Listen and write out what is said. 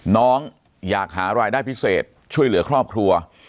น้องอยากหารายได้พิเศษช่วยเหลือครอบครัว